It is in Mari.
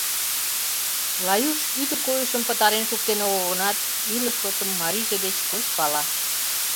Лаюш ӱдыр койышым пытарен шуктен огыл гынат, илыш шотым марийже деч коч пала.